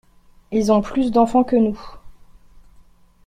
Ils ont plus d’enfants que nous.